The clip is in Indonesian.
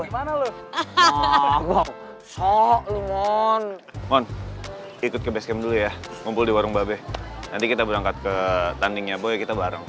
halo assalamualaikum mbak